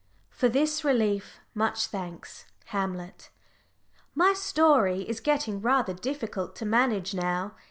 "For this relief, much thanks." Hamlet. My story is getting rather difficult to manage now.